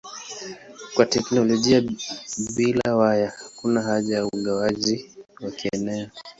Kwa teknolojia bila waya hakuna haja ya ugawaji wa kieneo.